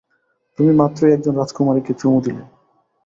তুমি মাত্রই একজন রাজকুমারীকে চুমু দিলে।